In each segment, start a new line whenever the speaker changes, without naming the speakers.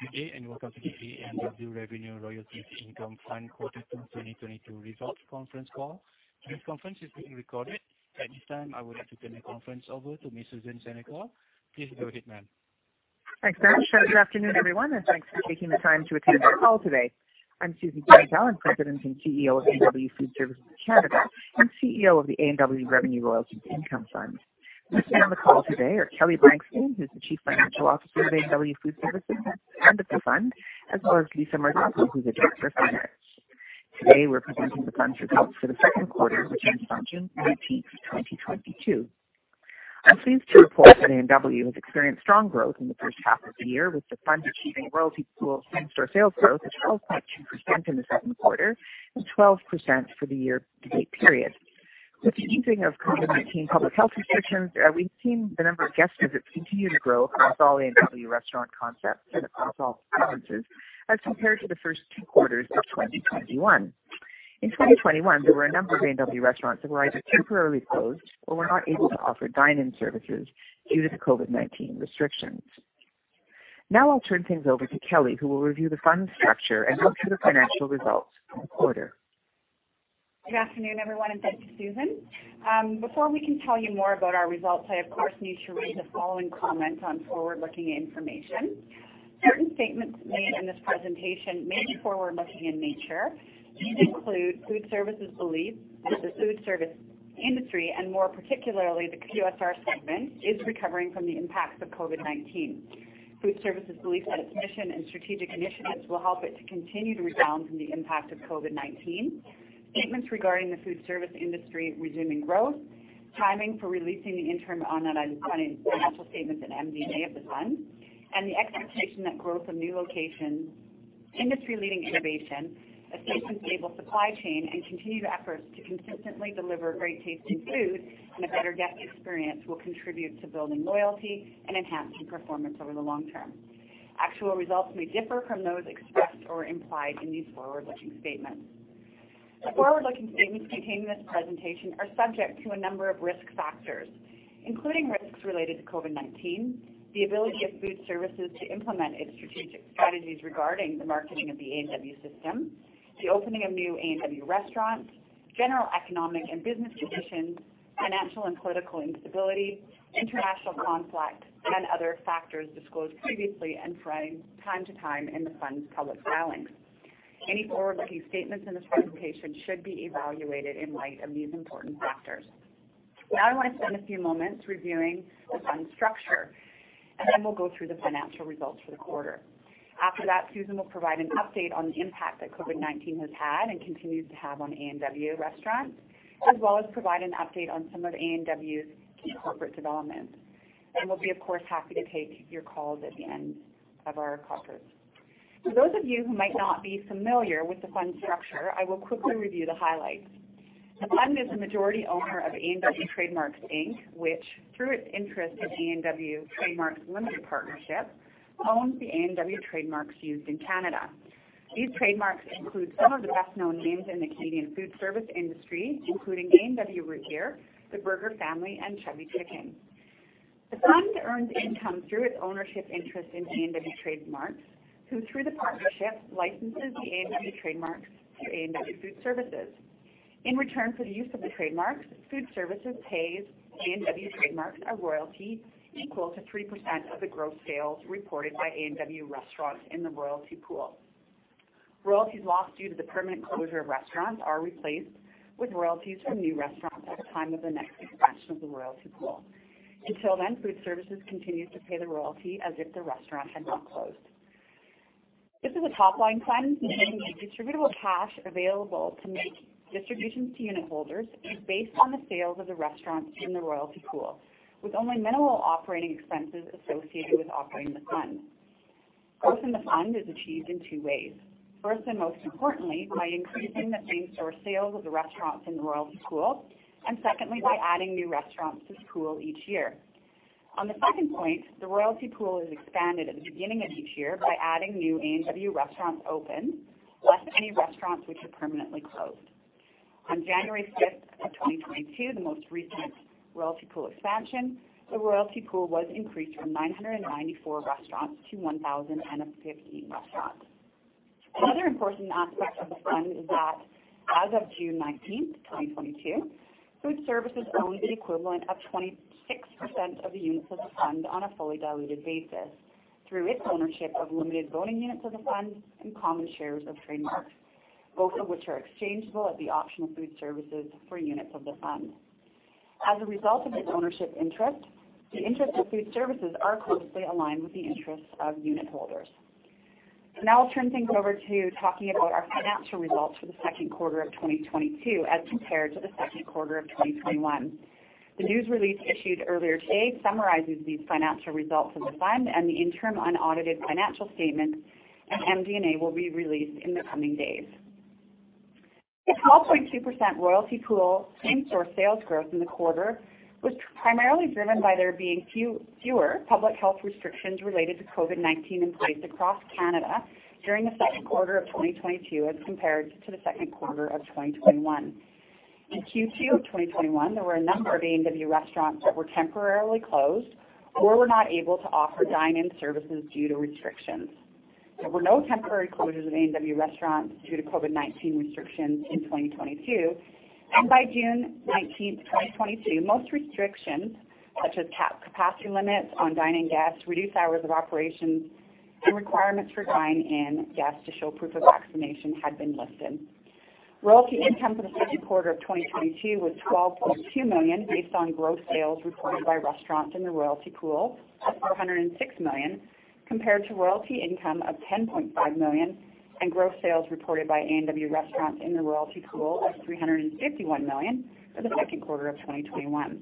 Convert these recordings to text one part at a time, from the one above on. Good day, and welcome to the A&W Revenue Royalties Income Fund Quarter 2 2022 Results Conference Call. Today's conference is being recorded. At this time, I would like to turn the conference over to Ms. Susan Senecal. Please go ahead, ma'am.
Thanks, Ben. Good afternoon, everyone, and thanks for taking the time to attend this call today. I'm Susan Senecal, President and Chief Executive Officer of A&W Food Services of Canada and Chief Executive Officer of the A&W Revenue Royalties Income Fund. With me on the call today are Kelly Blankstein, who's the Chief Financial Officer of A&W Food Services and of the Fund, as well as Lisa Marzocco, who's a Director of Finance. Today, we're presenting the Fund's results for the second quarter, which ends June 19, 2022. I'm pleased to report that A&W has experienced strong growth in the first half of the year, with the Fund achieving royalty pool same-store sales growth of 12.2% in the second quarter and 12% for the year-to-date period. With the easing of COVID-19 public health restrictions, we've seen the number of guest visits continue to grow across all A&W restaurant concepts and across all provinces as compared to the first two quarters of 2021. In 2021, there were a number of A&W restaurants that were either temporarily closed or were not able to offer dine-in services due to the COVID-19 restrictions. Now I'll turn things over to Kelly, who will review the Fund's structure and run through the financial results for the quarter.
Good afternoon, everyone, and thanks to Susan. Before we can tell you more about our results, I of course need to read the following comment on forward-looking information. Certain statements made in this presentation may be forward-looking in nature and include Food Services' belief that the food service industry, and more particularly the QSR segment, is recovering from the impacts of COVID-19. Food Services' belief that its mission and strategic initiatives will help it to continue to rebound from the impact of COVID-19. Statements regarding the food service industry resuming growth, timing for releasing the interim unaudited financial statements and MD&A of the Fund, and the expectation that growth of new locations, industry-leading innovation, a stable supply chain, and continued efforts to consistently deliver great tasting food and a better guest experience will contribute to building loyalty and enhancing performance over the long term. Actual results may differ from those expressed or implied in these forward-looking statements. The forward-looking statements contained in this presentation are subject to a number of risk factors, including risks related to COVID-19, the ability of Food Services to implement its strategic strategies regarding the marketing of the A&W system, the opening of new A&W restaurants, general economic and business conditions, financial and political instability, international conflict, and other factors disclosed previously and from time to time in the Fund's public filings. Any forward-looking statements in this presentation should be evaluated in light of these important factors. Now I want to spend a few moments reviewing the Fund's structure, and then we'll go through the financial results for the quarter. After that, Susan will provide an update on the impact that COVID-19 has had and continues to have on A&W restaurants, as well as provide an update on some of A&W's key corporate developments. We'll be, of course, happy to take your calls at the end of our conference. For those of you who might not be familiar with the Fund's structure, I will quickly review the highlights. The Fund is a majority owner of A&W Trade Marks Inc, which, through its interest in A&W Trade Marks Limited Partnership, owns the A&W trademarks used in Canada. These trademarks include some of the best-known names in the Canadian food service industry, including A&W Root Beer, the Burger Family, and Chubby Chicken. The Fund earns income through its ownership interest in A&W Trade Marks, who, through the partnership, licenses the A&W trademarks to A&W Food Services. In return for the use of the trademarks, Food Services pays A&W Trade Marks a royalty equal to 3% of the gross sales reported by A&W Restaurants in the Royalty Pool. Royalties lost due to the permanent closure of restaurants are replaced with royalties from new restaurants at the time of the next expansion of the Royalty Pool. Until then, Food Services continues to pay the royalty as if the restaurant had not closed. This is a top-line Fund meaning that distributable cash available to make distributions to unitholders is based on the sales of the restaurants in the Royalty Pool, with only minimal operating expenses associated with operating the Fund. Growth in the Fund is achieved in two ways. First, and most importantly, by increasing the same-store sales of the restaurants in the Royalty Pool, and secondly, by adding new restaurants to the pool each year. On the second point, the royalty pool is expanded at the beginning of each year by adding new A&W restaurants open, less any restaurants which are permanently closed. On January 5, 2022, the most recent royalty pool expansion, the royalty pool was increased from 994 restaurants to 1,015 restaurants. Another important aspect of the Fund is that as of June 19, 2022, Food Services owned the equivalent of 26% of the units of the Fund on a fully diluted basis through its ownership of limited voting units of the Fund and common shares of Trademarks, both of which are exchangeable at the option of Food Services for units of the Fund. As a result of its ownership interest, the interests of Food Services are closely aligned with the interests of unitholders. Now I'll turn things over to talking about our financial results for the second quarter of 2022 as compared to the second quarter of 2021. The news release issued earlier today summarizes these financial results of the Fund, and the interim unaudited financial statements and MD&A will be released in the coming days. The 12.2% royalty pool same-store sales growth in the quarter was primarily driven by there being fewer public health restrictions related to COVID-19 in place across Canada during the second quarter of 2022 as compared to the second quarter of 2021. In Q2 of 2021, there were a number of A&W restaurants that were temporarily closed or were not able to offer dine-in services due to restrictions. There were no temporary closures of A&W restaurants due to COVID-19 restrictions in 2022, and by June 19, 2022, most restrictions, such as capacity limits on dine-in guests, reduced hours of operation, and requirements for dine-in guests to show proof of vaccination had been lifted. Royalty income for the second quarter of 2022 was 12.2 million based on gross sales reported by restaurants in the royalty pool of 406 million, compared to royalty income of 10.5 million and gross sales reported by A&W restaurants in the royalty pool of 351 million for the second quarter of 2021.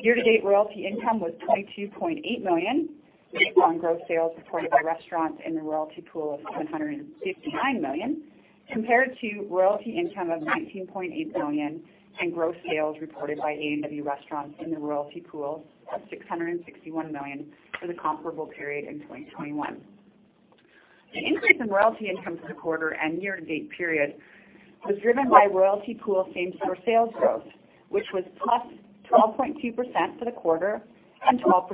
Year-to-date royalty income was 22.8 million based on gross sales reported by restaurants in the royalty pool of CAD 759 million, compared to royalty income of CAD 19.8 million and gross sales reported by A&W restaurants in the royalty pool of CAD 661 million for the comparable period in 2021. The increase in royalty income for the quarter and year-to-date period was driven by royalty pool same-store sales growth, which was +12.2% for the quarter and 12%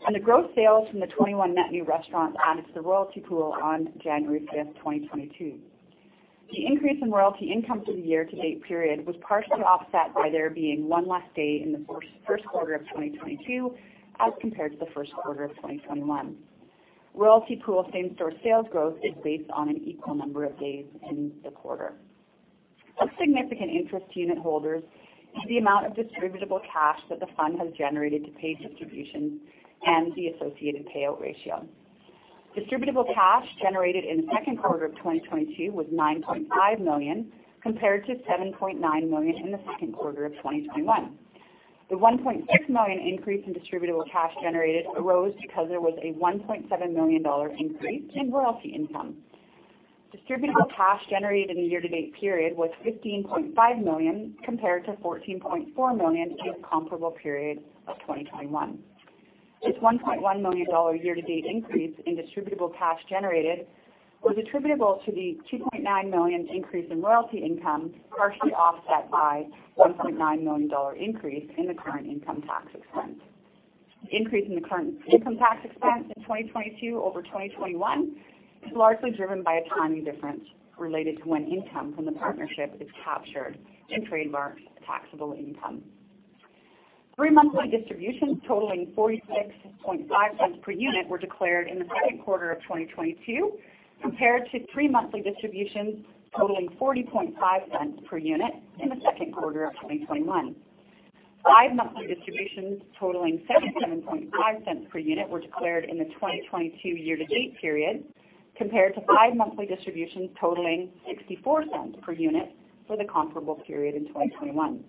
year-to-date. The gross sales from the 21 net new restaurants added to the royalty pool on January 5th, 2022. The increase in royalty income for the year-to-date period was partially offset by there being one less day in the first quarter of 2022 as compared to the first quarter of 2021. Royalty Pool same-store sales growth is based on an equal number of days in the quarter. Of significant interest to unitholders is the amount of distributable cash that the fund has generated to pay distributions and the associated payout ratio. Distributable cash generated in the second quarter of 2022 was 9.5 million, compared to 7.9 million in the second quarter of 2021. The 1.6 million increase in distributable cash generated arose because there was a 1.7 million dollar increase in royalty income. Distributable cash generated in the year-to-date period was 15.5 million, compared to 14.4 million in the comparable period of 2021. This 1.1 million dollar year-to-date increase in distributable cash generated was attributable to the 2.9 million increase in royalty income, partially offset by 1.9 million dollar increase in the current income tax expense. Increase in the current income tax expense in 2022 over 2021 is largely driven by a timing difference related to when income from the partnership is captured in Trade Marks' taxable income. three monthly distributions totaling 0.465 per unit were declared in the second quarter of 2022, compared to three monthly distributions totaling 0.405 per unit in the second quarter of 2021. five monthly distributions totaling 0.775 per unit were declared in the 2022 year-to-date period, compared to five monthly distributions totaling 0.64 per unit for the comparable period in 2021.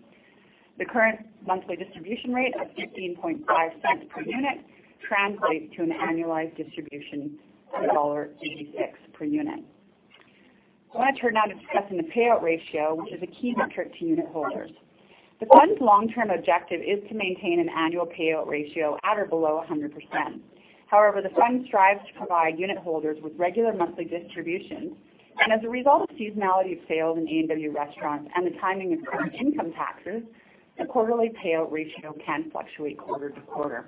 The current monthly distribution rate of 0.155 per unit translates to an annualized distribution of dollar 1.86 per unit. I want to turn now to discussing the payout ratio, which is a key metric to unitholders. The fund's long-term objective is to maintain an annual payout ratio at or below 100%. However, the fund strives to provide unitholders with regular monthly distributions, and as a result of seasonality of sales in A&W Restaurants and the timing of current income taxes, the quarterly payout ratio can fluctuate quarter to quarter.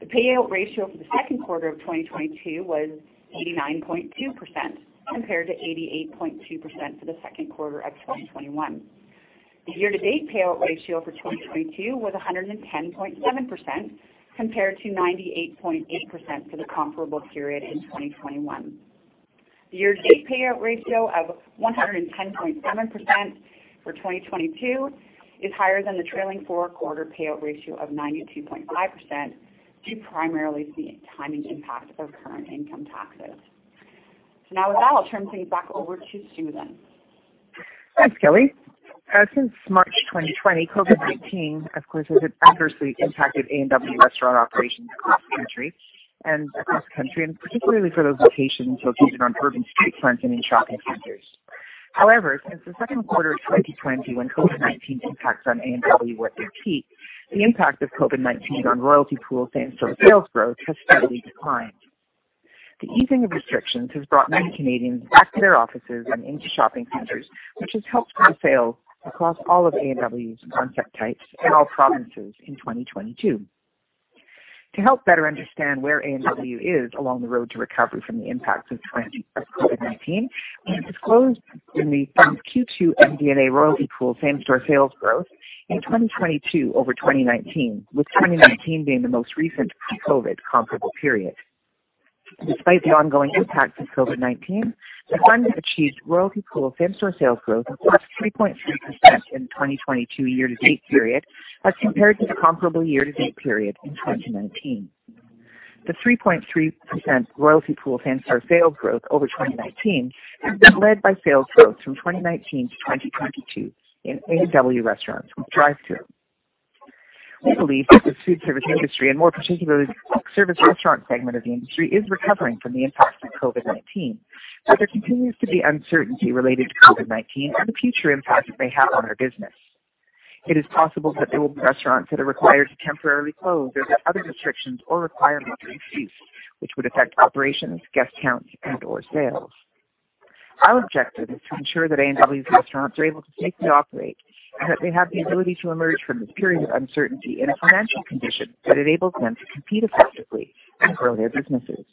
The payout ratio for the second quarter of 2022 was 89.2%, compared to 88.2% for the second quarter of 2021. The year-to-date payout ratio for 2022 was 110.7%, compared to 98.8% for the comparable period in 2021. The year-to-date payout ratio of 110.7% for 2022 is higher than the trailing four-quarter payout ratio of 92.5% due primarily to the timing impact of current income taxes. Now with that, I'll turn things back over to Susan.
Thanks, Kelly. Since March 2020, COVID-19, of course, has adversely impacted A&W restaurant operations across the country, and particularly for those locations located on urban street fronts and in shopping centers. However, since the second quarter of 2020, when COVID-19 impacts on A&W were at their peak, the impact of COVID-19 on royalty pool same-store sales growth has steadily declined. The easing of restrictions has brought many Canadians back to their offices and into shopping centers, which has helped drive sales across all of A&W's concept types in all provinces in 2022. To help better understand where A&W is along the road to recovery from the impacts of COVID-19, we have disclosed in the fund's Q2 MD&A royalty pool same-store sales growth in 2022 over 2019, with 2019 being the most recent pre-COVID comparable period. Despite the ongoing impacts of COVID-19, the fund has achieved Royalty Pool same-store sales growth of +3.3% in the 2022 year-to-date period as compared to the comparable year-to-date period in 2019. The 3.3% Royalty Pool same-store sales growth over 2019 has been led by sales growth from 2019 to 2022 in A&W Restaurants with drive-thru. We believe that the food service industry, and more particularly the quick service restaurant segment of the industry, is recovering from the impacts of COVID-19. There continues to be uncertainty related to COVID-19 and the future impact it may have on our business. It is possible that there will be restaurants that are required to temporarily close or that other restrictions or requirements are in place which would affect operations, guest counts, and/or sales. Our objective is to ensure that A&W's restaurants are able to safely operate, and that they have the ability to emerge from this period of uncertainty in a financial condition that enables them to compete effectively and grow their businesses.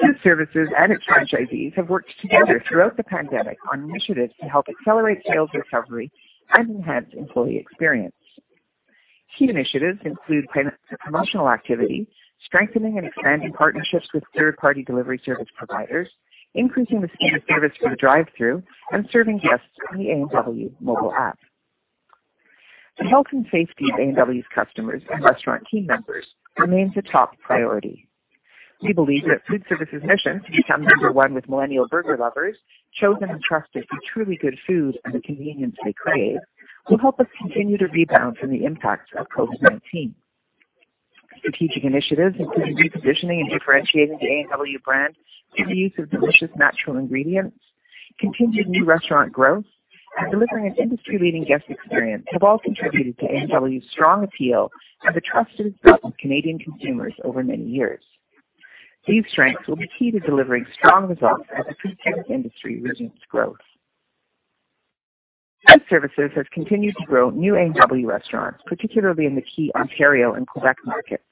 Food Services and its franchisees have worked together throughout the pandemic on initiatives to help accelerate sales recovery and enhance employee experience. Key initiatives include promotional activity, strengthening and expanding partnerships with third-party delivery service providers, increasing the speed of service for the drive-thru and serving guests via A&W mobile app. The health and safety of A&W's customers and restaurant team members remains a top priority. We believe that Food Services' mission to become number one with millennial burger lovers, chosen and trusted for truly good food and the convenience they crave, will help us continue to rebound from the impacts of COVID-19. Strategic initiatives, including repositioning and differentiating the A&W brand through the use of delicious natural ingredients, continued new restaurant growth, and delivering an industry-leading guest experience have all contributed to A&W's strong appeal and the trust it has built with Canadian consumers over many years. These strengths will be key to delivering strong results as the quick-service industry resumes growth. Food Services has continued to grow new A&W restaurants, particularly in the key Ontario and Quebec markets.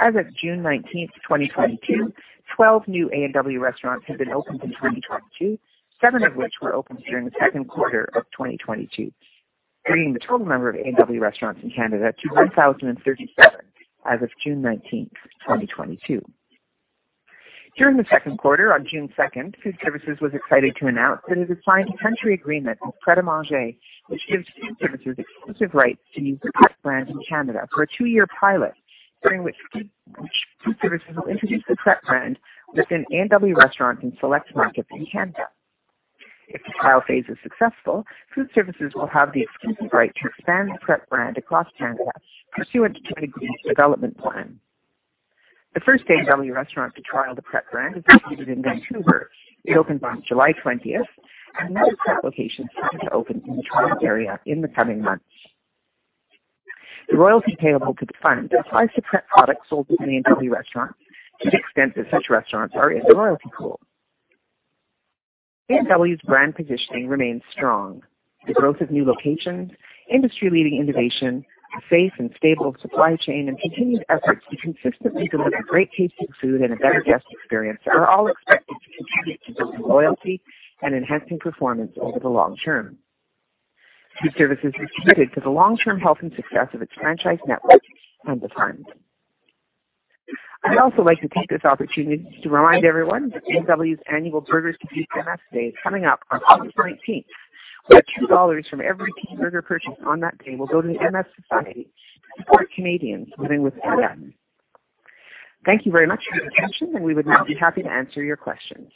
As of June 19, 2022, 12 new A&W restaurants have been opened in 2022, 7 of which were opened during the second quarter of 2022, bringing the total number of A&W restaurants in Canada to 1,037 as of June 19, 2022. During the second quarter on June 2, Food Services was excited to announce that it has signed a country agreement with Pret A Manger, which gives Food Services exclusive rights to use the Pret brand in Canada for a two-year pilot, during which Food Services will introduce the Pret brand within A&W restaurants in select markets in Canada. If the trial phase is successful, Food Services will have the exclusive right to expand the Pret brand across Canada pursuant to an agreed development plan. The first A&W restaurant to trial the Pret brand is located in Vancouver. It opened on July 20, and another Pret location is set to open in the Toronto area in the coming months. The royalty payable to the fund applies to Pret products sold within A&W restaurants to the extent that such restaurants are in the Royalty Pool. A&W's brand positioning remains strong. The growth of new locations, industry-leading innovation, a safe and stable supply chain, and continued efforts to consistently deliver great tasting food and a better guest experience are all expected to contribute to building loyalty and enhancing performance over the long term. Food Services is committed to the long-term health and success of its franchise network and the fund. I'd also like to take this opportunity to remind everyone that A&W's annual Burgers to Beat MS is coming up on August 19th, where 2 dollars from every Teen Burger purchased on that day will go to the MS Society of Canada to support Canadians living with MS. Thank you very much for your attention, and we would now be happy to answer your questions.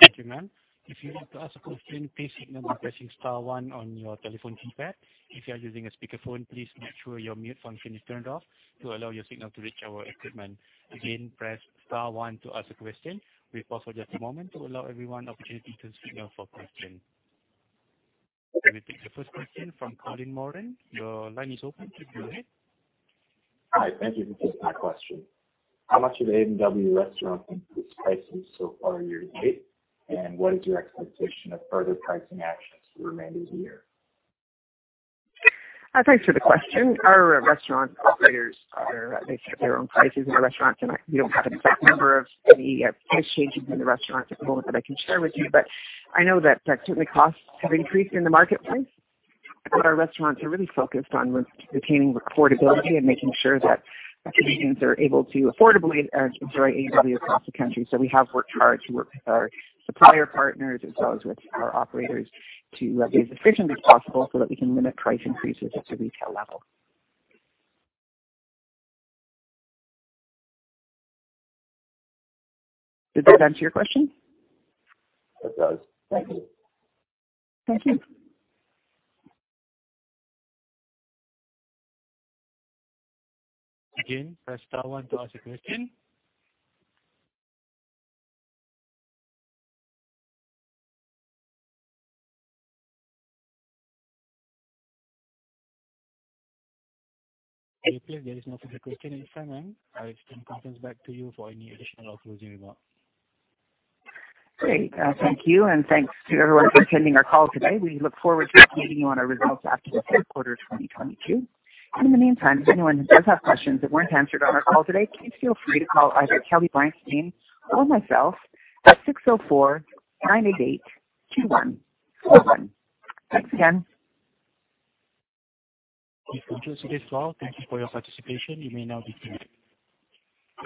Thank you, ma'am. If you need to ask a question, please signal by pressing star one on your telephone keypad. If you are using a speakerphone, please make sure your mute function is turned off to allow your signal to reach our equipment. Again, press star one to ask a question. We pause for just a moment to allow everyone opportunity to signal for question. Let me take the first question from Derek Lessard. The line is open. Please go ahead.
Hi. Thank you for taking my question. How much have A&W restaurants increased prices so far year to date? What is your expectation of further pricing actions for the remainder of the year?
Thanks for the question. Our restaurant operators are, they set their own prices in the restaurants, and we don't have an exact number of any, price changes in the restaurants at the moment that I can share with you, but I know that certainly costs have increased in the marketplace. What our restaurants are really focused on was retaining affordability and making sure that Canadians are able to affordably, enjoy A&W across the country. We have worked hard to work with our supplier partners as well as with our operators to, be as efficient as possible so that we can limit price increases at the retail level. Did that answer your question?
It does. Thank you.
Thank you.
Again, press star one to ask a question. Okay. There is no further question at this time, and I'll return the conference back to you for any additional or closing remarks.
Great. Thank you, and thanks to everyone for attending our call today. We look forward to updating you on our results after the third quarter of 2022. In the meantime, anyone who does have questions that weren't answered on our call today, please feel free to call either Kelly Blankstein or myself at 604-988-2141. Thanks again.
We've concluded today's call. Thank you for your participation. You may now disconnect.